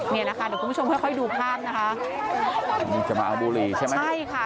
เนี่ยนะคะเดี๋ยวคุณผู้ชมค่อยค่อยดูภาพนะคะนี่จะมาเอาบุหรี่ใช่ไหมใช่ค่ะ